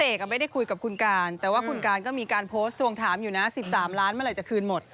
ไม่ได้คุยกับคุณการแต่ว่าคุณการก็มีการโพสต์ทวงถามอยู่นะ๑๓ล้านเมื่อไหร่จะคืนหมด